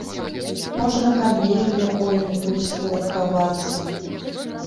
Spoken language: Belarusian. Можа, на канвеер якой-небудзь уладкавацца.